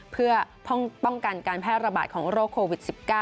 เพื่อป้องกันการแพร่ระบาดของโรคโควิด๑๙